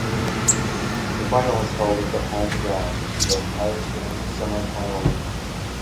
The final is held at the home ground of the highest ranked semi-final winner.